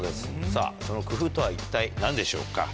さぁその工夫とは一体何でしょうか？